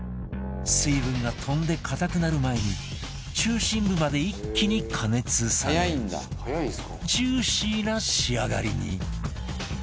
水分が飛んで硬くなる前に中心部まで一気に加熱されジューシーな仕上がりに